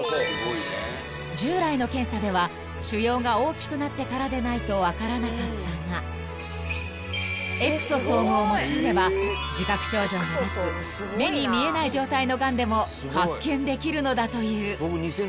［従来の検査では腫瘍が大きくなってからでないと分からなかったがエクソソームを用いれば自覚症状がなく目に見えない状態のがんでも発見できるのだという］